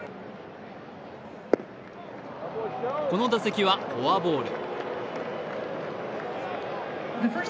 この打席はフォアボール。